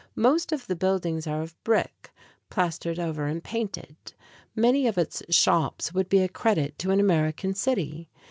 Most of the buildings are of brick, plastered over and painted. Many of its shops would be a credit to an American city.